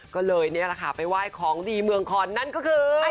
ก็เลยไปว่ายของดีเมืองคอนนั้นก็คือ